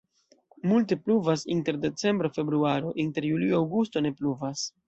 Multe pluvas inter decembro-februaro, inter julio-aŭgusto ne pluvas.